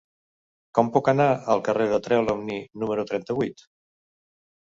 Com puc anar al carrer de Trelawny número trenta-vuit?